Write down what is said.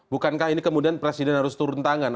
bukankah ini kemudian presiden harus turun tangan